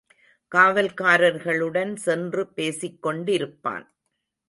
காவல்காரர்களுடன் சென்று பேசிக்கொண்டிருப்பான்.